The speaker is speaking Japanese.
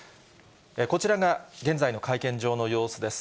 こちらが現在の会見場の様子です。